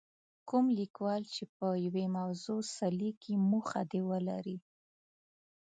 کوم لیکوال چې په یوې موضوع څه لیکي موخه دې ولري.